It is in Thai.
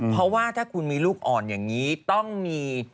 เพราะว่าถ้าคุณมีลูกอ่อนอย่างนี้ต้องมี